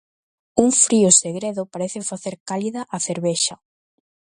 Un frío segredo parece facer cálida a cervexa.